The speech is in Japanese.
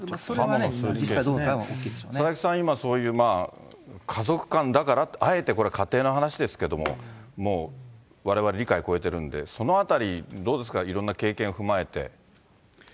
実際どうかは大きいでしょう佐々木さん、今、こういう家族間だから、これは仮定の話ですけども、もう、われわれの理解を超えてるんで、そのあたり、どうですか、いろんな経験踏まえて。